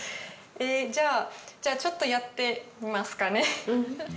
じゃあ、ちょっとやってみますかね。